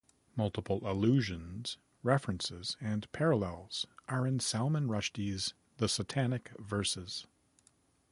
Multiple allusions, references and parallels are in Salman Rushdie's "The Satanic Verses".